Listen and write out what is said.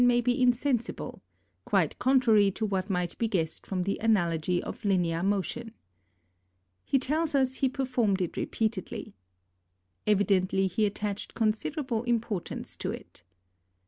may be insensible, quite contrary to what might be guessed from the analogy of linear motion. He tells us he performed it repeatedly. Evidently he attached considerable impor tance to it.